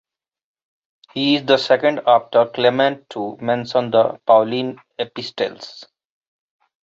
He is the second after Clement to mention the Pauline epistles.